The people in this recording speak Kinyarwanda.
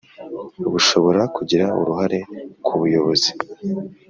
bushobora kugira uruhare ku buyobozi